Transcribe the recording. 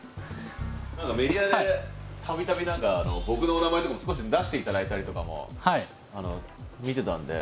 何かメディアでたびたび何か僕の名前とかも少し出していただいたりとかも見てたんで。